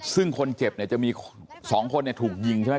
อ๋อซึ่งคนเจ็บเนี่ยจะมีสองคนเนี่ยถูกยิงใช่ไหม